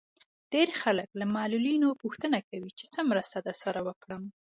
ډېری خلک له معلولينو پوښتنه کوي چې څه مرسته درسره وکړم.